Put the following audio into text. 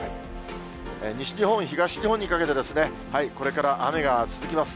西日本、東日本にかけてこれから雨が続きます。